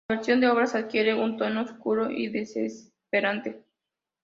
La versión de Obras adquiere un tono oscuro y desesperante.